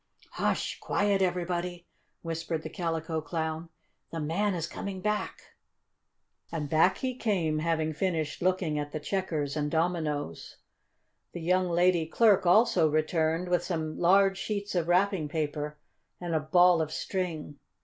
"Hush! Quiet, everybody!" whispered the Calico Clown. "The man is coming back!" And back he came, having finished looking at the checkers and dominoes. The young lady clerk also returned, with some large sheets of wrapping paper and a ball of string.